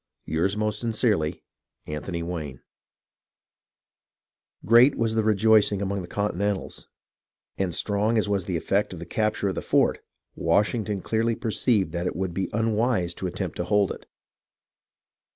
Yours most sincerely, Ant'y Wayne. Gen'l Washington. Great as was the rejoicing among the Continentals, and strong as was the effect of the capture of the fort, Wash ington clearly perceived that it would be unwise to attempt to hold it.